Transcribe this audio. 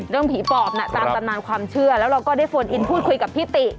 ผีปอบน่ะตามตำนานความเชื่อแล้วเราก็ได้โฟนอินพูดคุยกับพี่ติ